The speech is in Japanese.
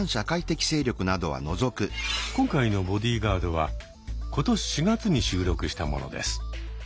今回の「ボディーガード」は今年４月に収録したものです。